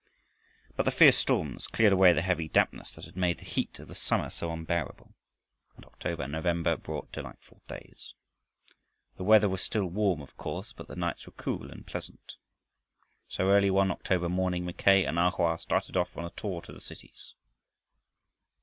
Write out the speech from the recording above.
But the fierce storms cleared away the heavy dampness that had made the heat of the summer so unbearable, and October and November brought delightful days. The weather was still warm of course, but the nights were cool and pleasant. So early one October morning, Mackay and A Hoa started off on a tour to the cities.